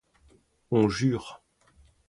On jure.